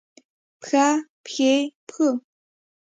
پښه ، پښې ، پښو